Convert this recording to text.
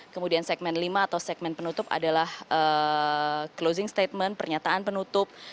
kemudian segmen lima atau segmen penutup adalah closing statement pernyataan penutup